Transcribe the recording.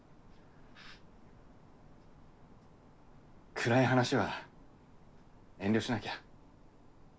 暗い話は遠慮しなきゃ。